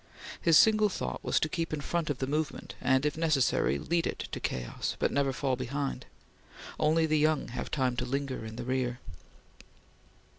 His single thought was to keep in front of the movement, and, if necessary, lead it to chaos, but never fall behind. Only the young have time to linger in the rear.